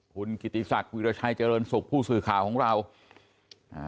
คุณกิติศักดิราชัยเจริญสุขผู้สื่อข่าวของเราอ่า